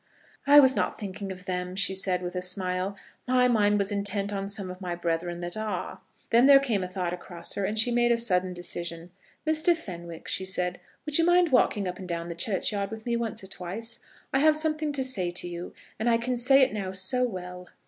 "I was not thinking of them," she said, with a smile. "My mind was intent on some of my brethren that are." Then there came a thought across her, and she made a sudden decision. "Mr. Fenwick," she said, "would you mind walking up and down the churchyard with me once or twice? I have something to say to you, and I can say it now so well."